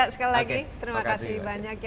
sekali lagi terima kasih banyak ya